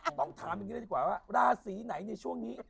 ต้องถามอย่างนี้เลยดีกว่าว่าราศีไหนในช่วงนี้